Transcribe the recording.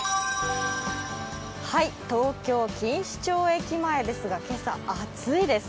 東京、錦糸町駅前ですが、今朝、暑いです。